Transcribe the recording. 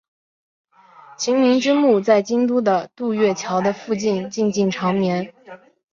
晴明之墓在京都的渡月桥的附近静静长眠。